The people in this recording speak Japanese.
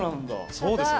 そうですよ。